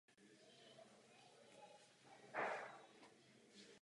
Často jsou pro tuto bilaterální spolupráci uváděné výjimečné situace.